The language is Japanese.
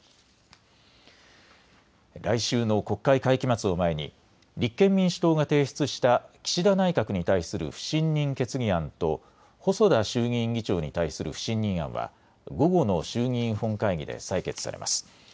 来週の国会会期末を前に立憲民主党が提出した岸田内閣に対する不信任決議案と細田衆議院議長に対する不信任案は午後の衆議院本会議で採決されます。